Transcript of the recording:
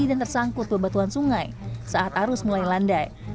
dan tersangkut bebatuan sungai saat arus mulai landai